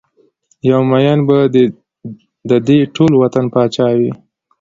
یو ميېن به ددې ټول وطن پاچا وي